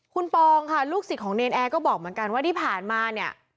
คุณปองค่ะลูกศิษย์ของเนรนแอร์ก็บอกเหมือนกันว่าที่ผ่านมาเนี่ย